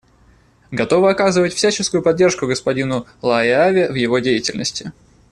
Готовы оказывать всяческую поддержку господину Лааяве в его деятельности.